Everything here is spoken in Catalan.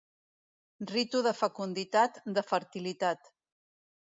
Ritu de fecunditat, de fertilitat.